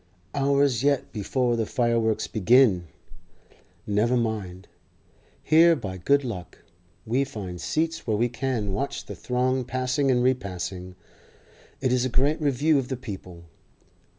Hours yet before the fireworks begin. Never mind; here by good luck we find seats where we can watch the throng passing and repassing. It is a great review of the People.